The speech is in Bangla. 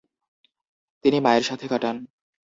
তিনি মায়ের সাথে কাটান।